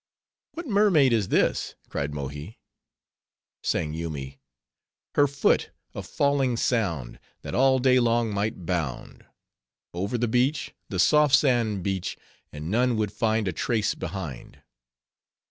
"What mermaid is this?" cried Mohi. Sang Yoomy:— Her foot, a falling sound, That all day long might bound. Over the beach, The soft sand beach, And none would find A trace behind.